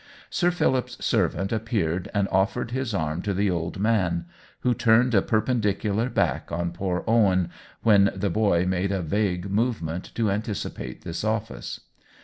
Sir Philip's servant appeared and of fered his arm to the old man, who turned a perpendicular back on poor Owen when the boy made a vague movement to anticipate this office.